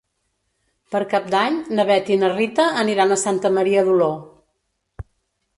Per Cap d'Any na Bet i na Rita aniran a Santa Maria d'Oló.